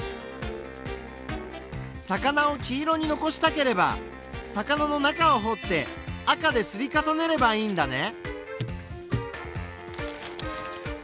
魚を黄色に残したければ魚の中をほって赤で刷り重ねればいいんだね。